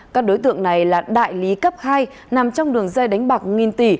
các đối tượng này là đại lý cấp hai nằm trong đường dây đánh bạc nghìn tỷ